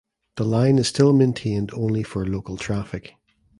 The line is still maintained only for local traffic.